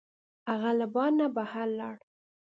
هغه له بار نه بهر لاړ.